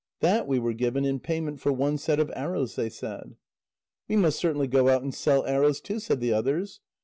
"That we were given in payment for one set of arrows," they said. "We must certainly go out and sell arrows, too," said the others.